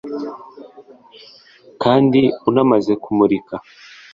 kandi unamaze kumurika